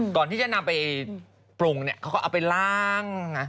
ก่อนที่จะนำไปปรุงเนี่ยเขาก็เอาไปล่างนะ